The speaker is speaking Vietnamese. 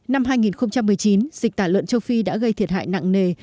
năm hai nghìn một mươi chín dịch tả lợn châu phi đã gây thiệt hại nặng nề